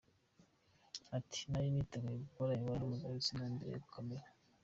Ati “Nari niteguye gukora imibonano mpuzabitsina imbere ya cameras.